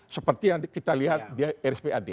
seperti yang kita lihat di rspad